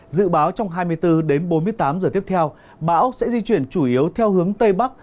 dự báo trong hai mươi bốn đến bốn mươi tám giờ tiếp theo bão sẽ di chuyển chủ yếu theo hướng tây bắc